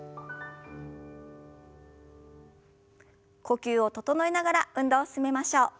呼吸を整えながら運動を進めましょう。